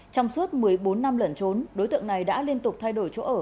trong suốt một mươi bốn năm lẩn trốn đối tượng này đã liên tục thay đổi chỗ ở